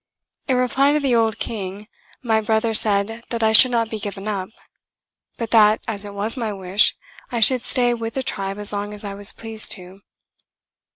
In reply to the old king, my brother said that I should not be given up; but that, as it was my wish, I should stay with the tribe as long as I was pleased to.